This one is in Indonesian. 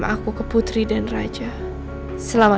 gitu kereta mam